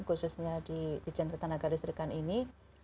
khususnya di djk ini